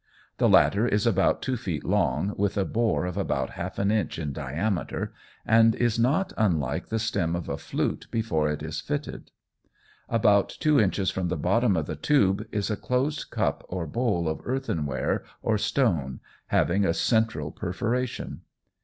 The latter is about two feet long, with a bore of about half an inch in diameter, and is not unlike the stem of a flute before it is fitted. About two inches from the bottom of the tube, is a closed cup or bowl of earthenware or stone, having a central perforation.